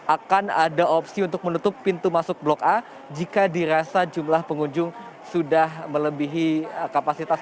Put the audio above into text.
akan ada opsi untuk menutup pintu masuk blok a jika dirasa jumlah pengunjung sudah melebihi kapasitas